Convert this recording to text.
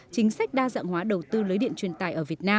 chính sách đa dạng hóa đầu tư lưới điện truyền tài